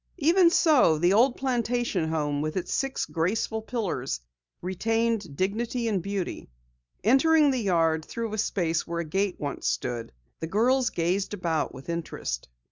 Even so, the old plantation home with its six graceful pillars, retained dignity and beauty. Entering the yard through a space where a gate once had stood, the girls gazed about with interest.